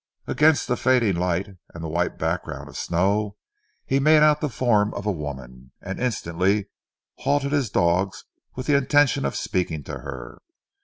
Against the fading light and the white background of snow he made out the form of a woman, and instantly halted his dogs with the intention of speaking to her.